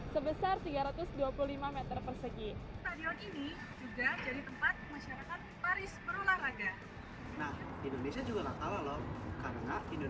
sebesar tiga ratus dua puluh lima meter persegi